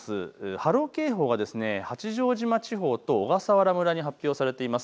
波浪警報が八丈島地方と小笠原村に発表されています。